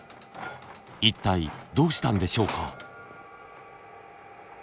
一体どうしたんでしょうか？